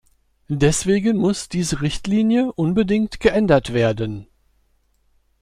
Deswegen muss diese Richtlinie unbedingt geändert werden.